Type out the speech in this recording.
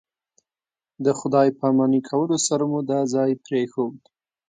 د خدای پاماني کولو سره مو دا ځای پرېښود.